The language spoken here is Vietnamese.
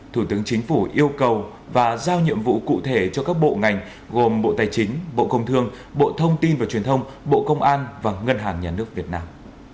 thủ tướng chính phủ yêu cầu và giao nhiệm vụ cụ thể cho các bộ ngành gồm bộ tài chính bộ công thương bộ thông tin và truyền thông bộ công an và ngân hàng nhà nước việt nam